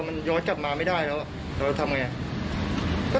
มันย้อนจับมาไม่ได้แล้วเราจะทำอย่างไร